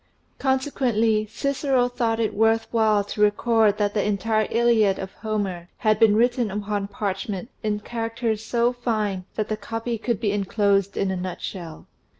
Consequently Cicero thought it worth while to record that the entire Illiad of Homer had been written upon parchment in characters so fine that^the copy could be enclosed in a nutshell.